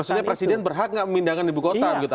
maksudnya presiden berhak gak memindahkan ibu kota gitu